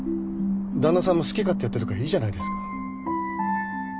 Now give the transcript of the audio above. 旦那さんも好き勝手やってるからいいじゃないですか。